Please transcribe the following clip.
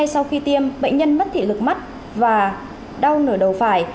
sau khi tiêm bệnh nhân mất thị lực mắt và đau nửa đầu phải